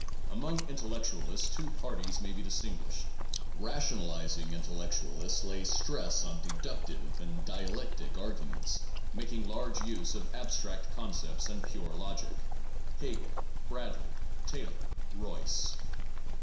Among intellectualists two parties may be dis tinguished. Rationalizing intellectualists lay stress on deductive and dialectic arguments, making large use of abstract concepts and pure logic (Hegel, Bradley, Taylor, Royce).